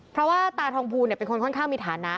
เพราะว่าตาทองภูลเป็นคนค่อนข้างมีฐานะ